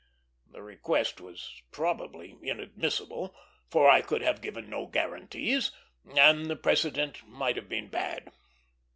The request was probably inadmissible, for I could have given no guarantees; and the precedent might have been bad.